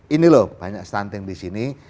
ini loh banyak stunting di sini